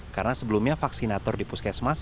karena sebelumnya vaksinator di puskesmas